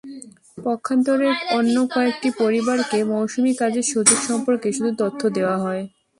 পক্ষান্তরে অন্য কয়েকটি পরিবারকে মৌসুমি কাজের সুযোগ সম্পর্কে শুধু তথ্য দেওয়া হয়।